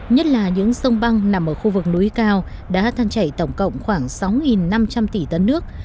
nhất là những sông băng nằm ở khu vực núi cao đã than chảy tổng cộng khoảng sáu năm trăm linh tỷ tấn nước